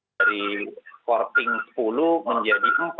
dari quarting sepuluh menjadi empat